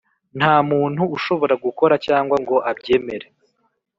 Nta muntu ushobora gukora cyangwa ngo abyemere